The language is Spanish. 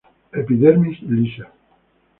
Epidermis lisa.